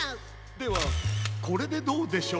ではこれでどうでしょう？